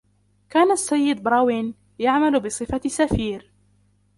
كان السيد براوين يعمل بصفة سفير.